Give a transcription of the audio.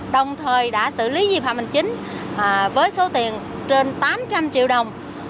đồng thời đã xử lý di phạm hình chính với số tiền trên tám trăm linh triệu đồng